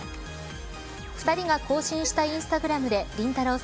２人が更新したインスタグラムでりんたろー。